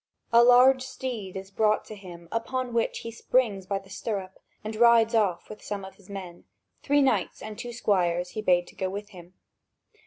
A large steed is brought to him, upon which he springs by the stirrup, and he rides off with some of his men: three knights and two squires he bade to go with him.